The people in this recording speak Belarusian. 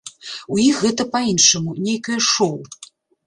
У іх гэта па-іншаму, нейкае шоу.